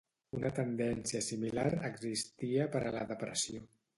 Una tendència similar existia per a la depressió.